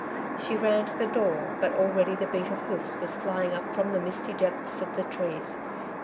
She ran to the door; but already the beat of hoofs was flying up from the misty depths of the trees.